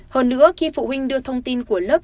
hơn nữa khi phụ huynh đưa thông tin của lớp